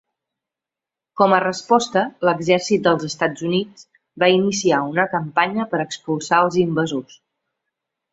Com a resposta, l'exèrcit dels Estats Units va iniciar una campanya per expulsar els invasors.